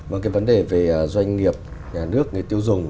và cái vấn đề về doanh nghiệp nhà nước người tiêu dùng